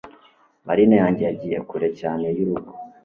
marine yanjye yagiye kure cyane y'urugo